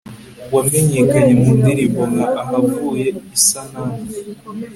wamenyekanye mu ndirimbo nka AHAVUYE ISANAMU